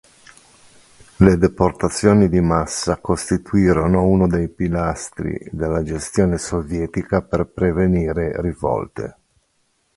Le deportazioni di massa costituirono uno dei pilastri della gestione sovietica per prevenire rivolte.